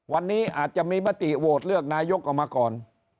วันนี้อาจจะมีมติโหวตเลือกนายกออกมาก่อน